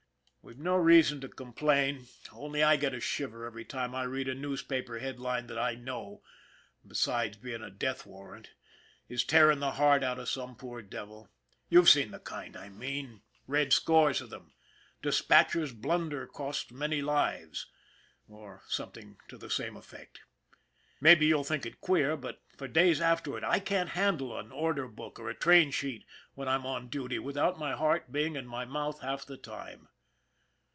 We've no reason to complain, 46 ON THE IRON AT BIG CLOUD only I get a shiver every time I read a newspaper head line that I know, besides being a death warrant, is tearing the heart out of some poor devil. You've seen the kind I mean, read scores of them " Dis patcher's Blunder Costs Many Lives " or something to the same effect. Maybe you'll think it queer, but for days afterward I can't handle an order book or a train sheet when I'm on duty without my heart being in my mouth half the time.